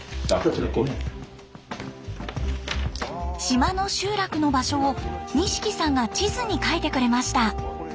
島の集落の場所を西来さんが地図に書いてくれました。